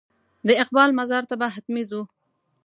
د اقبال مزار ته به حتمي ځو.